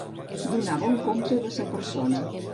Donar bon compte de sa persona.